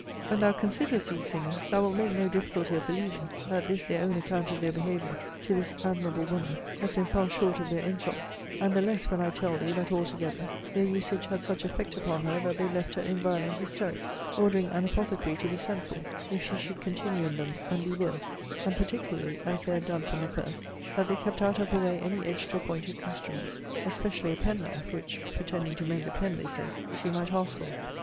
When thou considerest these things, thou wilt make no difficulty of believing, that this their own account of their behaviour to this admirable woman has been far short of their insults: and the less, when I tell thee, that, all together, their usage had such effect upon her, that they left her in violent hysterics; ordering an apothecary to be sent for, if she should continue in them, and be worse; and particularly (as they had done from the first) that they kept out of her way any edged or pointed instrument; especially a pen knife; which, pretending to mend a pen, they said, she might ask for.